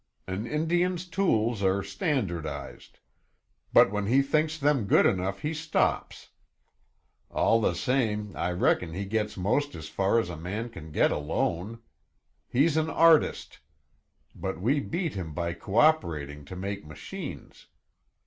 An Indian's tools are standardized, but when he thinks them good enough he stops. All the same, I reckon he gets most as far as a man can get alone. He's an artist, but we beat him by cooperating to make machines.